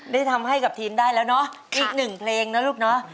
ได้ทำให้กับทีมได้แล้วเนอะอีกหนึ่งเพลงนะลูกเนาะ